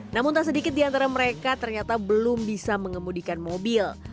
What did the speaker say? namun tak sedikit di antara mereka ternyata belum bisa mengemudikan mobil